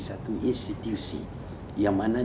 satu institusi yang